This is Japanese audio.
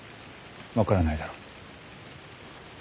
分からないだろう？